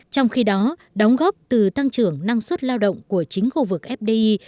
trong khi đó đóng góp từ tăng trưởng năng suất lao động của chính khu vực fdi